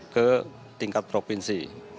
ke tingkat provinsi